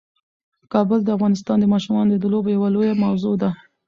کابل د افغانستان د ماشومانو د لوبو یوه لویه موضوع ده.